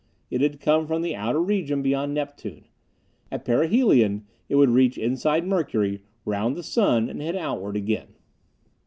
It had come from the outer region beyond Neptune. At perihelion it would reach inside Mercury, round the Sun, and head outward again.